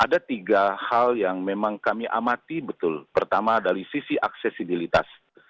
ada tiga hal yang memang kami amati betul pertama dari sisi aksesibilitas